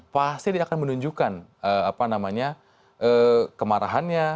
pasti dia akan menunjukkan kemarahannya